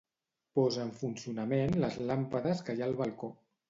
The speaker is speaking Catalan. Posa en funcionament les làmpades que hi ha al balcó.